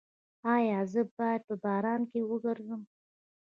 ایا زه باید په باران کې وګرځم؟